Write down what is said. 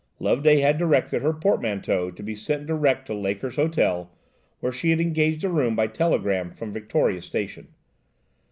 Loveday had directed her portmanteau to be sent direct to Laker's Hotel, where she had engaged a room by telegram from Victoria Station.